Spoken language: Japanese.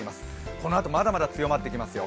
このあと、まだまだ強まってきますよ。